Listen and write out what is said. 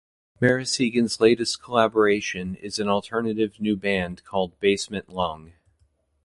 Marasigan's latest collaboration is an alternative new band called "Basement Lung".